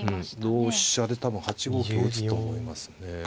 同飛車で多分８五香打つと思いますね。